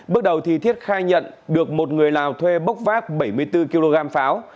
bước đầu thì thiết khai nhận được một người lào thuê bốc vác bảy mươi bốn kg pháo